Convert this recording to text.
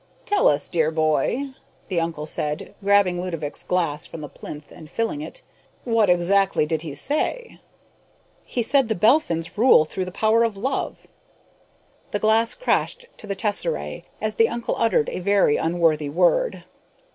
"Tell us, dear boy," the uncle said, grabbing Ludovick's glass from the plinth and filling it, "what exactly did he say?" "He said the Belphins rule through the power of love." The glass crashed to the tesserae as the uncle uttered a very unworthy word.